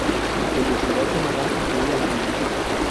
De periodicidad semanal, incluía láminas.